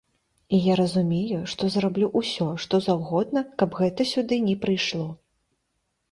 І я разумею, што зраблю ўсё, што заўгодна, каб гэта сюды не прыйшло.